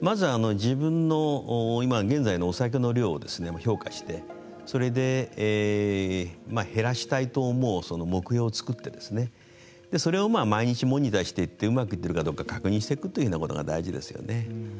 まず自分の今現在のお酒の量を評価して、それで減らしたいと思う目標を作ってそれを毎日モニターしていってうまくいってるかどうか確認していくというのが必要ですね。